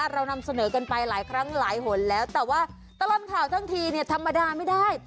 เรานำเสนอกันไปหลายครั้งหลายหนแล้วแต่ว่าตลอดข่าวทั้งทีเนี่ยธรรมดาไม่ได้